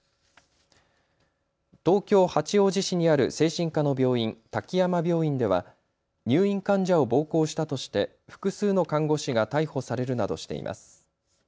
東京八王子市にある精神科の病院、滝山病院では入院患者を暴行したとして複数の看護師が逮捕されるなどしています。